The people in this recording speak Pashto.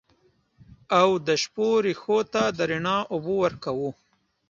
او د شپو رېښو ته د رڼا اوبه ورکوو